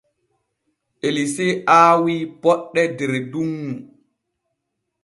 Elise aawi poɗɗe der dunŋu.